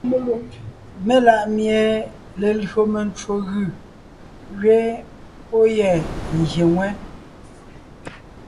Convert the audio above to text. Mela ʼmie lelÿò mencwò gʉ̀ gẅiin pɔ́ yɛ́ ngyè ŋwɛ́.